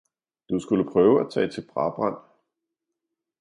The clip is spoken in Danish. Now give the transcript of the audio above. Du skulle prøve at tage til Brabrand